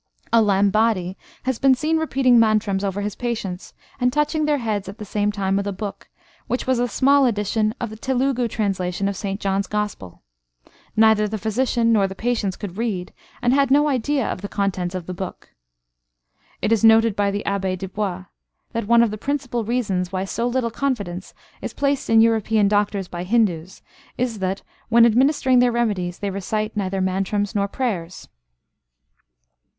A Lambadi has been seen repeating mantrams over his patients, and touching their heads at the same time with a book, which was a small edition of the Telugu translation of St John's gospel. Neither the physician nor the patient could read, and had no idea of the contents of the book. It is noted by the Abbé Dubois, that one of the principal reasons why so little confidence is placed in European doctors by Hindus is that, when administering their remedies, they recite neither mantrams nor prayers.